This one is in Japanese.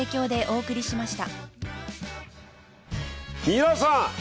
皆さん！